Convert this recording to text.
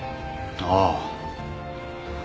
ああ。